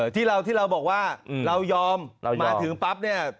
ที่เราบอกว่าเรายอมมาถึงปั๊บเนี่ย